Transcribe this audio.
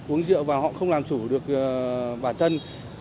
uống rượu và họ không làm chủ được bản thân